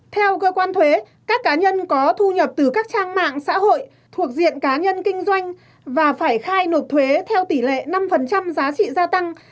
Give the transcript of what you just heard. theo cơ quan thuế các cá nhân có thu nhập từ các trang mạng xã hội thuộc diện cá nhân kinh doanh và phải khai nộp thuế theo tỷ lệ năm giá trị gia tăng